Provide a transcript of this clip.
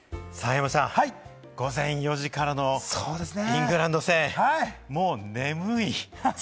山ちゃん、午前４時からのイングランド戦、もう眠い。